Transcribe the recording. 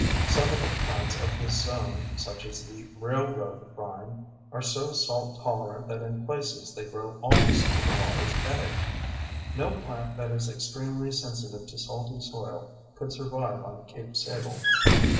Some of the plants of this zone, such as the railroad vine, are so salt tolerant that in places they grow almost to the water's edge. (No plant that is extremely sensitive to salty soil could survive on Cape Sable.)